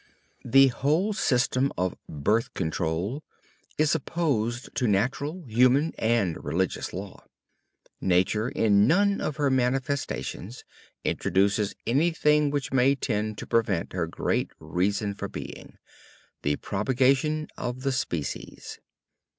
The whole system of "birth control" is opposed to natural, human and religious law. Nature, in none of her manifestations, introduces anything which may tend to prevent her great reason for being the propagation of the species.